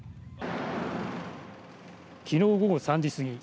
きのう午後３時過ぎ